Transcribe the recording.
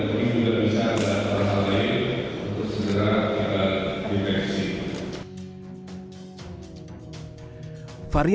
untuk hal ini tidak bisa diperbaiki